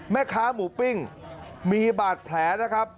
แม่ค้าหมูปิ้งมีบาดแผลนะครับ